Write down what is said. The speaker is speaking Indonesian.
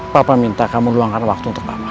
papa minta kamu luangkan waktu untuk kamu